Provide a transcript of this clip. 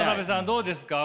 どうですか？